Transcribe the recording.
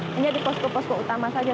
hanya di pos pos keutama saja